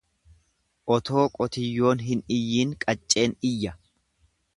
Otoo qotiyyoon hin iyyiin qacceen iyya.